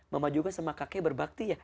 mama juga sama kakek berbakti ya